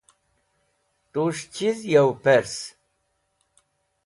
Tus̃h chiz yo pers?